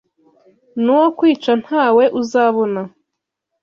nuwo kwica ntawe uzabona